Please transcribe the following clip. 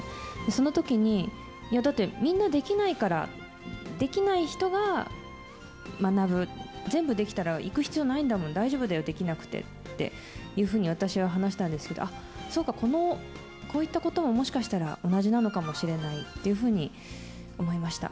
そのときに、いや、だって、みんなできないから、できない人が学ぶ、全部できたら行く必要ないんだもん、大丈夫だよ、できなくてっていうふうに、私は話したんですけど、あっ、そうか、この、こういったことも、もしかしたら同じなのかもしれないというふうに思いました。